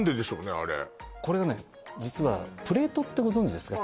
あれこれがね実はプレートってご存じですか？